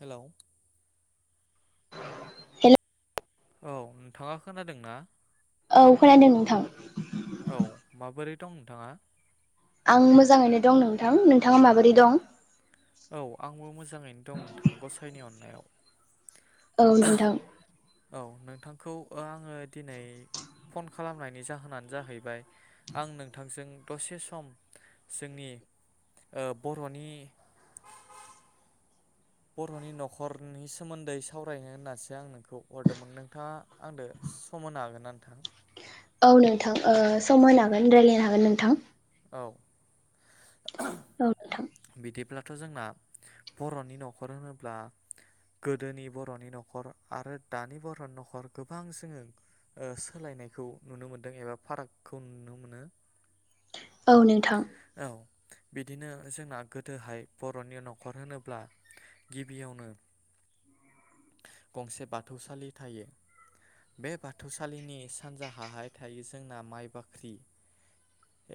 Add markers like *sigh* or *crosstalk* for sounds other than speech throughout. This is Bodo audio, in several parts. हेलौ हेल औ नोंथाङा खोनादोंना? औ खोनादों नोंथां औ माबोरै दं नोंथाङा आं मोजाङैनो दं नोंथां नोंथाङा माबोरै दं औ आंबो मोजाङैनो दं नोंथां गसाइनि अनायाव औ नोंथां औ नोंथांखौ ओ आङो दिनै फन खालामनायनि जाहोनानो जाहैबाय आं नोंथांजों दसे सम जोंनि ओ बर'नि बर'नि न'खरनि सोमोन्दै सावरायनो होननानैसो आं नोंखौ हरदोंमोन नोंथाङा आंनो सम होनो हागोन ना नोंथां? औ नोंथां ओ सम होनो हागोन रायलायनो हागोन नोंथां। औ औ नोंथां बिदिब्लाथ' जोंना बर'नि न'खर होनोब्ला गोदोनि बर'नि न'खर आरो दानि बर'नि न'खर गोबां जोङो सोलायनायखौ नुनो मोनदों एबा फारागखौ नुनो मोनो। औ नोंथां। औ बिदिनो जोंना गोदोहाय बर'नि न'खर होनोब्ला गिबियावनो गंसे बाथौसालि थायो बे बाथौसालिनि सानजाहाहाय थायो जोंना माइ बाख्रि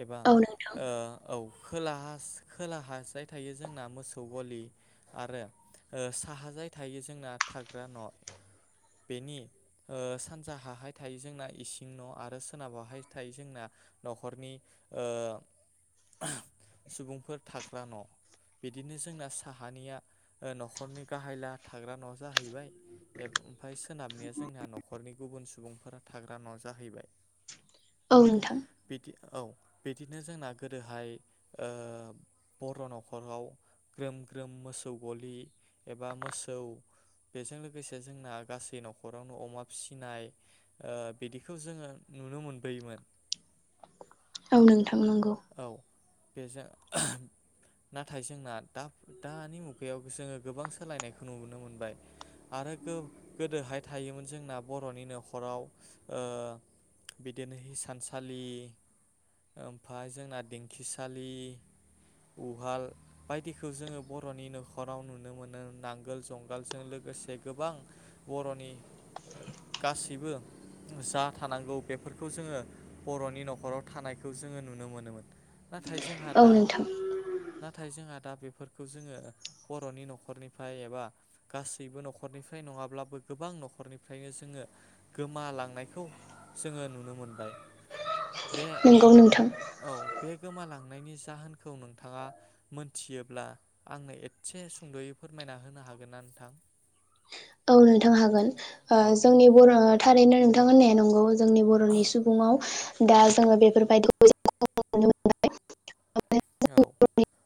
एबा औ नोंथां ओ औ खोलाहा खोलाहाजाय थायो जोंना मोसौ गलि आरो साहाजाय थायो जोंना थाग्रा न' बेनि सानजाहाहाय थायो जोंना इसिं न' आरो सोनाबहाहाय थायो जोंना न'खरनि ओ सुबुंफोर थाग्रा न' बिदिनो जोंना साहानिया न'खरनि गाहायला थाग्रा न' जाहैबाय ओमफ्राय सोनाबनिया जोंना न'खरनि गुबुन सुबुंफोरा थाग्रा न' जाहैबाय। औ नोंथां। बिदि औ बिदिनो जोंना गोदोहाय ओ बर' न'खराव ग्रोम ग्रोम मोसौ गलि एबा मोसौ बेजों लोगोसे जोंना गासै न'खरावनो अमा फिसिनाय ओ बिदिखौ जोङो नुनो मोनबोयोमोन। औ नों थां नंगौ। औ बेजों नाथाय जोंना दा दानि मुगायाव जोङो गोबां सोलायनायखौ नुुबोनो मोनबाय आरो गोदोहाय थायोमोन जोंना बर'नि न'खराव ओ बिदिनो हिसानसालि ओम ओमफ्राय जोंना दिंखिसालि उहाल बायदिखौ जोङो बर'नि न'खराव नुनो मोनो नांगोल जुंगालजों लोगोसे गोबां बर'नि गासैबो जा थानांगौ बेफोरखौ जोङो बर'नि न'खराव थानायखौ जोङो नुनो नुनो मोनोमोन। नाथाय जोंहा औ दा नोंथां नाथाय जोंहा दा बेफोरखौ जोङो बर'नि न'खरनिफ्राय एबा गासैबो न'खरनिफ्राय नङाब्लाबो गोबां न'खरनिफ्रायनो जोङो गोमालांनायखौ जोङो नुनो मोनबाय। बे नंगौ नोंथां। औ बे गोमालांनायनि जाहोनखौ नोंथाङा मोनथियोब्ला आंनो एसे सुंद'यै फोरमायना होनो हागोन ना नोंथां? औ नोंथां हागोन ओ औ जोंनि बर'आ थारैनो नोंथां होननाय नंगौ। जोंनि बर'नि सुबुङाव दा जोङो बेफोरबायदि नुनो मोनबाय औ। *unintelligible* *unintelligible*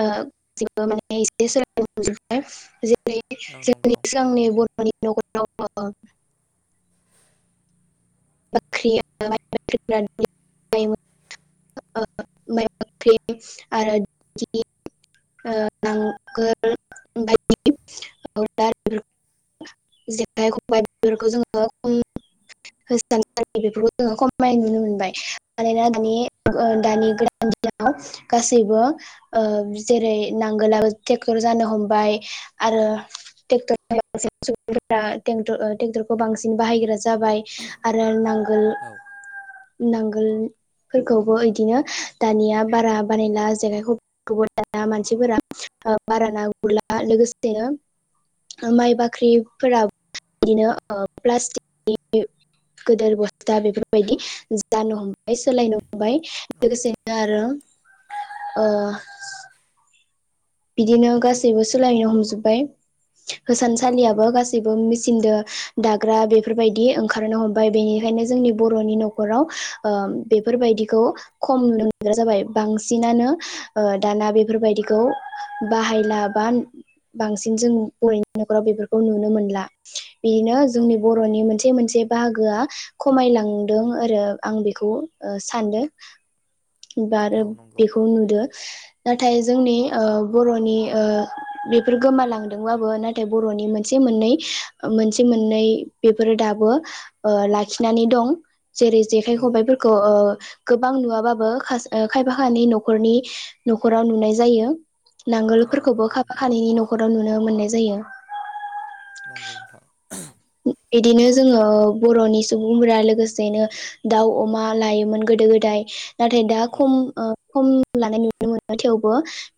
ओ जेनेबा माने एसे नंगौ *unintelligible* *unintelligible* जोंनि बर' *unintelligible* फ्रि आरो *unintelligible* ओ नांगोल बायदि बे जेखाइ खबाय बेफोरखौ जोङो खम हो *unintelligible* बेफोरखौ जोङो खमायनाय नुनो मोनबाय। मानोना औ दानि दानि दिनै गासैबो ओ जेरै नांगोलाबो ट्रेक्टर जानो हमबाय आरो ट्रेक्टर *unintelligible* सुबुं ट्रेक्टर खौ बांसिन बाहायग्रा जाबाय आरो नांगो गोल औ नांगोलफोरखौबो इदिनो दानिया बारा बानायला जेखाय खबाय खौबो दा मानसिफोरा ओ बारा ना गुरला लोगोसेनो माइ ओ बाख्रिफोरा बिदिनो ओ प्लास्टिकनि गोदिर बस्था बेफोरबायदि जानो हमबाय सोलायनो हमबाय लोगोसे दा आरो ओ बिदिनो गासैबो सोलायनो हमजोब्बाय औ होसानसालियाबो नंगौ गासैबो मिसिनदो दाग्रा बेफोरबायदि ओंखारनो हमबाय बेनिखायनो जोंनि बर'नि न'खराव ओ बेफोरबायदिखौ खम नुनो मोनग्रा जाबाय बांसिनानो ओ दाना बेफोरबायदिखौ बाहायला बा बांसिन जों बर'नि न'खराव बेफोरखौ नुनो मोनला। बेनो औ जोंनि नंगौ बर'नि मोनसे मोनसे बाहागो गोया खमायलांदों आरो आं बेखौ ओ सानदों। बा औ आरो नंगौ बेखौ नुदों नाथाय जोंनि ओ बर'नि ओ बेफोर गोमालांदोंबाबो नाथाय बर'नि मोनसे मोननै मोनसे मोननै बेफोरो दाबो ओ लाखिनानै दं। जेरै जेखाइ औ खबाइफोरखौ ओ गोबां नुवाबाबो खायफा खानि न'खरनि न'खराव नुनाय जायो। औ नांगोलफोरखौबो नंगौ नोंथां खाफाखानायनि न'खराव नुनो मोननाय जायो। नंगौ नोंथां बिदिनो जोङो बर'नि सुबुंफोरा लोगो गोसेनो दाउ अमा लायोमोन गोदो गोदाय नाथाय दा औ खम खम लानाय नुनो मोनो थेवबो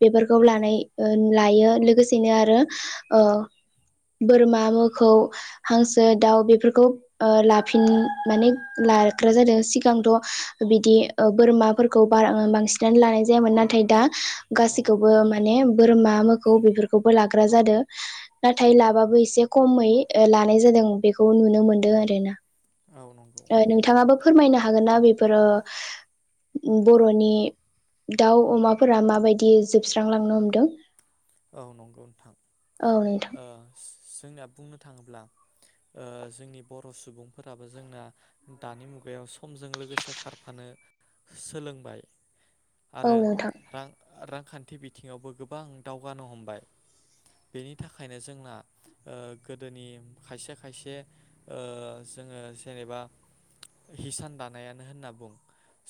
बेफोरखौ लानाय ओ लायो लोगोसेनो आरो ओ बोरमा मोखौ हांसो दाउ बेफोरखौ ओ लाफिन माने लाग्रा जादों सिगांथ' बिदि बोरमाफोरखौ बार बांसिनानो लानाय जायामोन नाथाय दा औ गासिखौबो नंगौ माने बोरमा मोखौ बेफोरखौबो लाग ग्रा जादों नाथाय लाबाबो एसे खमै ओ ला नाय जादों बेखौ नुनो मोन्दों आरोना औ नंगौ ओ नोंथाङाबो फोरमायनो हागोन नना बेफोरो बर'नि दाउ अमाफोरा माबायदि जोबस्रांलांनो हमदों। औ नंगौ नोंथां औ नोंथां ओ जोंनिया बुंनो थाङोब्ला ओ जोंनि बर' सुबुंफोराबो जोंना दानि मुगायाव समजों लोगोसे खारफानो सोलोंबाय औ आरो नोंथां रां रांखान थि बिथिङावबो गोबां दावगानो हमबाय बेनि थाखायनो जोंना गोदोनि खायसे खायसे ओ जोङो जेनेबा हिसान दानायानो होनना बुं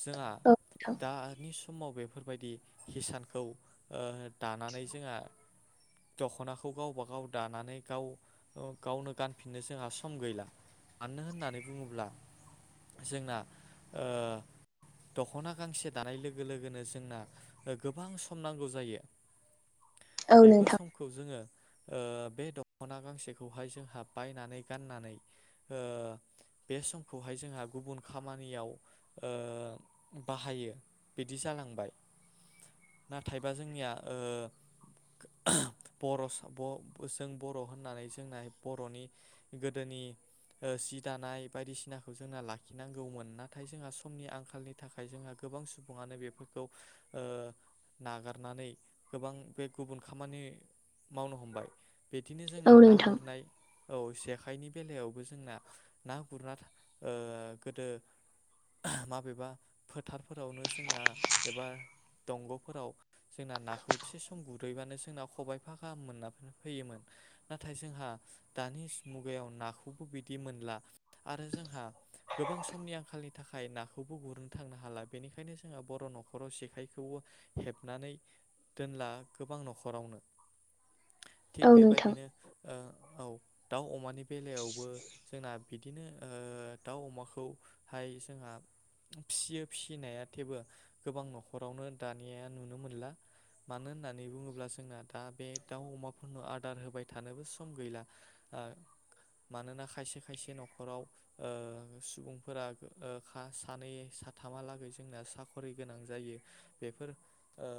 जोंहा औ दानि समाव बेफोरबायदि हिसानखौ ओ दानानै जोंहा दख'नाखौ गावबा गाव दानानै गाव गावनो गानफिननो जोंहा सम गैला मानोानो होननानै बुङोब्ला जोंना दख'ना गांसे दानाय लोगो लोगोनो जोंना गोबां सम नांगौ जायो बेफोर नोंथां समखौ जोङो बे दख'ना गांसेखौहाय जोंहा बायनानै गाननानै बे समखौहाय जोंहा गुबुन खामानियाव बाहायो बिदि जालांबाय नाथायबा जोंनिया बर' जों बर' होननानै जोंना बर'नि गोदोनि सि दानाय बायदिसिनाखौ जोंना लाखिनांगौमोन नाथाय जोंहा समनि आंखालनि थाखाय जोंहा गोबां सुबुङानो बेफोरखौ नागारनानै गोबां बे गुबुन खामानि मावनो हमबाय बिदिनो औ जोंना ना नोंथां गुरनाय औ जेखाइनि बेलायावबो जोंना ना गुरना गोदो माबेबा फोथारफोरावनो जोंना एबा दंग'फोराव जोंना नाखौ थसे सम गुरहैबानो जोंना खबायफा गाहाम मोननानै फैयोमोन नाथाय जोंहा दानि मुगायाव नाखौबो बिदि मोनला आरो जोंहा गोबां समनि आंखालनि थाखाय नाखौबो गुरनो थांनो हाला बेनिखायनो जोंहा बर' न'खराव जेखायखौबो हेबनानै दोनला गोबां न'खरावनो थिग औ नोंथां बेबायदिनो औ दाउ अमानि बेलायावबो जोंना बिदिनो दाउ अमाखौहाय जोंहा फियो फिसिनाया थेबो गोबां न'खरावनो दानिा नुनो मोनला मानो होननानै होन्नानै बुङोब्ला जोंना दा बे दाउ अमाफोरनो आदार होबाय थानोबो सम गैला ओ मानोना खायसे खायसे न'खराव ओ सुबुंफोरा ओ खा सानै साथामहालागै जोंना साख'रि गोनां जायो बेफोर ओ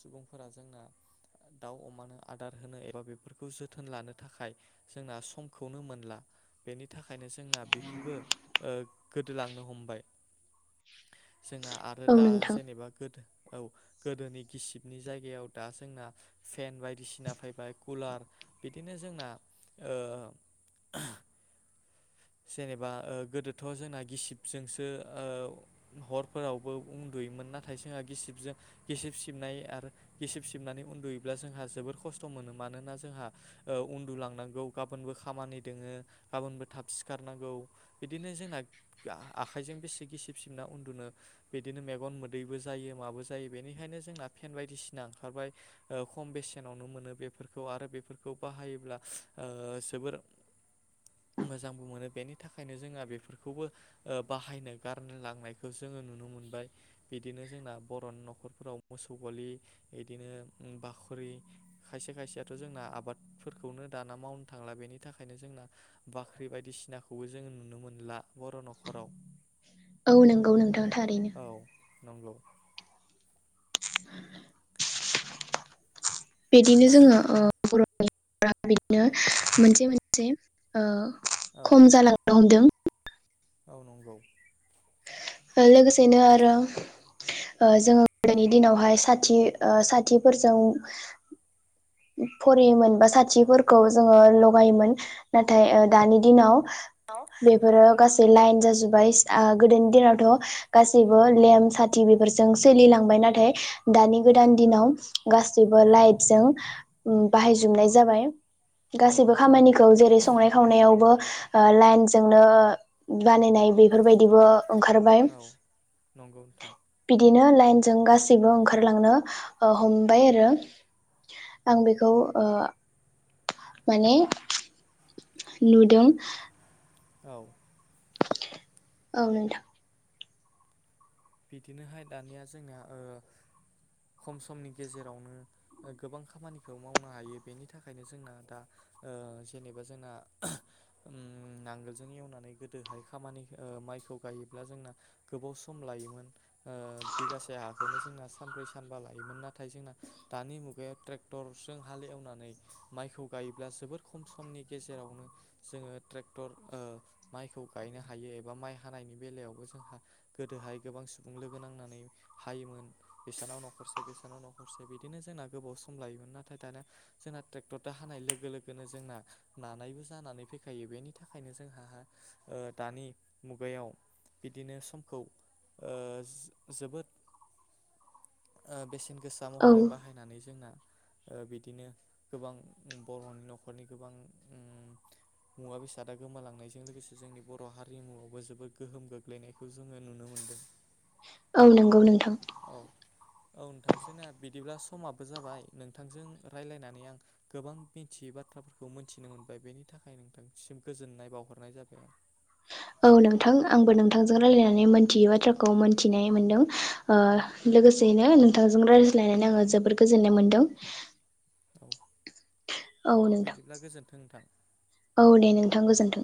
सुबुंफोरा जोंना दाउ अमानो आदार होनो एबा बेफोरखौ जोथोन लानो थाखाय जोंना समखौनो मोनला बेनि थाखायनो जोंना बेफोरबो ओ गोदोलांनो हमबाय। जोंना आरो औ नोंथां औ दा नोंथां जेनोबा गोदो औ गोदोनि गिसिबनि जायगायाव दा जोंना फेन बायदिसिना फैबाय कुलार बिदिनो जोंना ओ जेनोबा ओ गोदोथ' जोंना गिसिबजोंसो ओ हरफोरावबो उन्दुयोमोन नाथाय जोंहा गिसिबजों गिसिब सिबनाय आरो गिसिब सिबनानै उन्दुयोब्ला जोंहा जोबोर खस्थ' मोनो मानोना जोंहा ओ उन्दुलांनांगौ गाबोनबो खामानि दोङो गाबोनबो थाब सि खारनांगौ बिदिनो जोंना आ आखाइजों बेसे गिसिब सिबना उन्दुनो बिदिनो मेगन मोदैबो जायो माबो जायो बेनिखायनो जोंना फेन बायदिसिना ओंखारबाय ओ खम बेसेनावनो मोनो बेफोरखौ आरो बेफोरखौ बाहायोब्ला ओ जोबोर मोजां मोनो बेनि थाखायनो जोंहा बेफोरखौबो ओ बाहायनो गार लांनायखौ जोङो नुनो मोनबाय। बिदिनो जोंना बर'नि नखर फोराव मोसौ गलि बिदिनो ओ बाखरि खायसे खायसेयाथ' जोंना आबादफोरखौनो दाना मावनो थांला बेनि थाखायनो जोंना बा ख्रि बायदिसिनाखौबो जोङो नुनो मोनला बर' न'खराव। औ नंगौ नोंथां थारैनो। औ नंगौ। बिदिनो जोङो ओ बर'नि बिदिनो मोनसे मोनसे ओ औ खम जालांनो हमदों। औ नंगौ। लोगोसेनो आरो ओ जोङो गोदोनि दिनावहाय साथि ओ साथिफोरजों फरायोमोन बा औ साथिफोरखौ जोङो ल गायोमोन नाथाय ओ दानि दिनाव बेफोरो गा लाइन जाजोब्बाय *unintelligible* गोदोनि औ दिनावथ' गासै बो लेम्प साथि बेफोरजों सोलिलांबाय नाथाय दानि गोदान दिनाव गासैबो लाइटजों बाहायजोबनाय जाबाय। औ गासैबो नंगौ खामानिखौ जेरै संनाय खावनायावबो ओ लाइनजोंनो बानायनाय बेफोरबायदिबो ओंखारबाय औ नंगौ नोंथां बिदि नो लाइनजों गासैबो ओंखारलांनो हमबाय आरो। आं बेखौ ओ माने नुदों। औ। ओ नोंथां। बिदिनोहाय दानिया जोंना ओ खम समनि गेजेरावनो ओ गोबां खामानिखौ मावनो हायो बेनि थाखायनो जोंना दा ओ जेनोबा जोंना ओम नांगोलजों एवनानै गोदोहाय खामानि ओ माइखौ गायोब्ला जोंना गोबाव सम लायोमोन *unintelligible* ओ बिगासे हा खौनो जोंना सानब्रै सानबा लायोमोन नाथाय जोंना दानि मुगायाव ट्रेक्टरजों हाल एवनानै माइखौ गायोब्ला जोबोर खम समनि गेजेरावनो जोङो ट्रेक्टर ओ माइखौ गायनो हायो एबा माइ हानायनि बेलायावबो जोंहा गोदोहाय गोबां सुबुं लोगो नांनानै हायोमोन बेसेनाव न'खरसे बेसानाव न'खरसे बिदिनो जोंना गोबाव सम लायोमोन नाथाय दानिया जोंना ट्रेक्टरजों हानाय लोगो लोगोनो जोंना नानायबो जानानै फैखायो बेनि थाखायनो जोंहा ओ दानि मुगायाव बिदिनो समखौ ओ जो जोबोद ओ बेसेन गोसा औ महरै बाहायनानै जोंना ओ बिदिनो गोबां बर'नि न'खरनि गोबां उम मुवा बेसादा गोमालांनायजों लोगोसे जोंनि बर' हारिमुवाबो जोबोद गोहोम गोग्लैनायखौ जोङो नुनो मोनदो। औ नंगौ नोंथां। औ नोंथां जोंना बिदिब्ला समाबो जाबाय नोंथांजों रायज्लायनानै आं गोबां मिथियै बाथ्राफोरखौ मोनथिनो मोनबाय बेनि थाखाय नोंथांसिम गोजोननाय बावहरनाय जाबाय आं। औ नोंथां आंबो नोंथांजों रायलायनानै मोनथियै बाथ्राखौ मोनथिनाय मोनदों ओ लोगोसेयैनो नोंथांजों रायज्लायनानै आङो जोबोोर गोजोननाय मोनदों। औ औ नोंथां बिदिब्ला गोजोन थों नोंथां। औ दे नोंथां गोजोन्थों।